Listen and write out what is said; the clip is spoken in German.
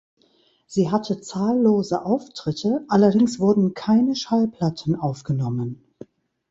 Sie hatte zahllose Auftritte, allerdings wurden keine Schallplatten aufgenommen.